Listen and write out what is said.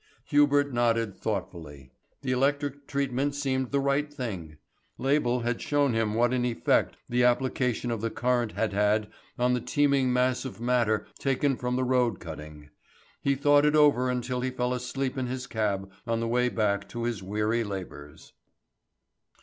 Hubert nodded thoughtfully. The electric treatment seemed the right thing. Label had shown him what an effect the application of the current had had on the teeming mass of matter taken from the road cutting. He thought it over until he fell asleep in his cab on the way back to his weary labours.